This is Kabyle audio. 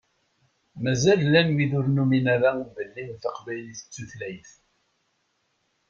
Mazal llan wid ur numin ara belli taqbaylit d tutlayt.